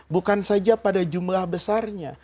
bukan saja pada jumlah besarnya